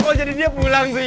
kok jadi dia pulang sih